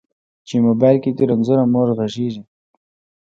چې موبایل کې دې رنځوره مور غږیږي